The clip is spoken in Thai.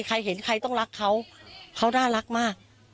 ใครเห็นใครต้องรักเขาเขาน่ารักมาก